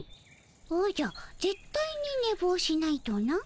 おじゃぜっ対にねぼうしないとな？